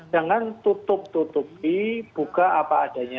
jangan tutup tutupi buka apa adanya